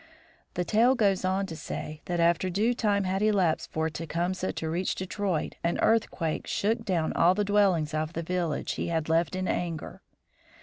The tale goes on to say that after due time had elapsed for Tecumseh to reach Detroit an earthquake shook down all the dwellings of the village he had left in anger.